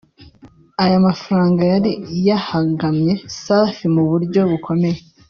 Aya mafaranga yari yahagamye Safi mu buryo bukomeye